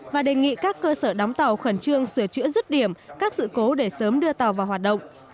và đề nghị các cơ sở đóng tàu khẩn trương sửa chữa rứt điểm các sự cố để sớm đưa tàu vào hoạt động